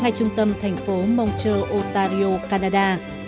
ngay trung tâm thành phố montreal ontario canada